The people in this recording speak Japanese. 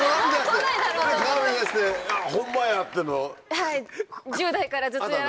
はい。